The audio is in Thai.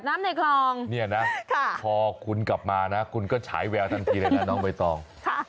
น้ำในคลองพอคุณกลับมานะคุณก็ฉายแววทันทีเลยนะน้องเบตอง